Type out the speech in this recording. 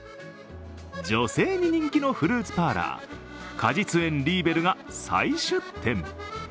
女性に人気のフルーツパーラー、果実園リーベルが再出店。